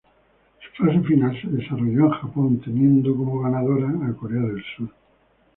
Su fase final se desarrolló en Japón, teniendo como ganadora a Corea del Sur.